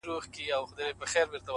• او په لوړ ږغ په ژړا سو ـ